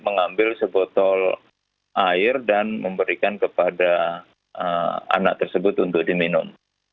mengambil sebotol air dan memberikan kepada anak tersebut untuk diminum